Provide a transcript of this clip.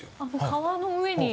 川の上に。